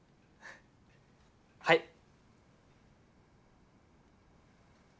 はい。